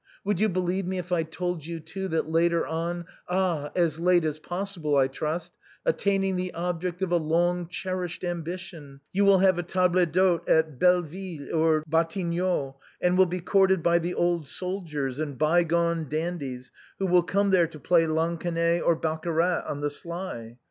' Would you believe me if I told you, too, that later on — ah, as late as possible, I trust — attaining the object of a long cherished ambition, you will have a table d'hôte at Belleville or Batignolles, and will be courted by the old soldiers and by gone dandies who will come there to play lansquenet or baccarat on the sly